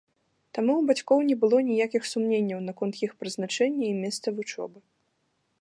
Таму ў бацькоў не было ніякіх сумненняў наконт іх прызначэння і месца вучобы.